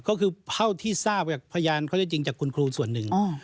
ก็คือเท่าที่ทราบจากพยานเขาจะจริงจากคุณครูส่วนหนึ่ง